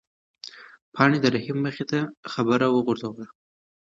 پاڼې د رحیم مخې ته خبره ورګرځوله.